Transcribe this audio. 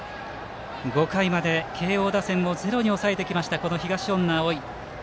５回まで慶応打線をゼロに抑えてきました東恩納蒼。